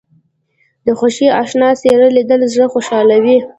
د خوښۍ اشنا څېره لیدل زړه خوشحالوي